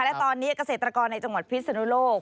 และตอนนี้เกษตรกรในจังหวัดพิศนุโลก